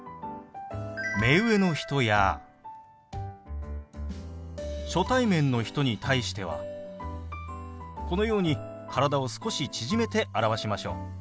目上の人や初対面の人に対してはこのように体を少し縮めて表しましょう。